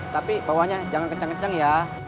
tapi bawahnya jangan kenceng kenceng ya